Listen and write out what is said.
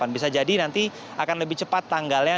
bisa jadi nanti akan lebih cepat tanggalnya